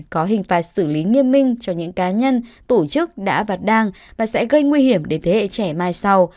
có hình phạt xử lý nghiêm minh cho những cá nhân tổ chức đã và đang và sẽ gây nguy hiểm đến thế hệ trẻ mai sau